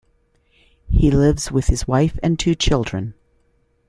He lives with his wife and two children.